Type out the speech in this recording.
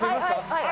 はい！